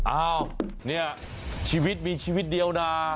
อ้าวเนี่ยชีวิตมีชีวิตเดียวนะ